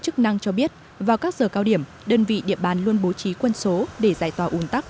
trong các giờ cao điểm đơn vị địa bàn luôn bố trí quân số để giải tỏa ủng tắc